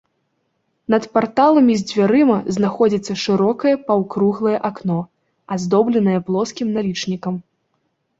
Над парталамі з дзвярыма знаходзіцца шырокае паўкруглае акно, аздобленае плоскім налічнікам.